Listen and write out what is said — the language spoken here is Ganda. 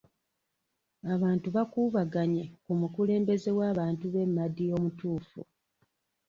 Abantu baakuubaganye ku mukulembeze w'abantu b'e Madi omutuufu.